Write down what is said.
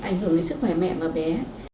ảnh hưởng đến sức khỏe mẹ và bé